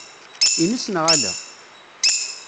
Ines neɣ ala?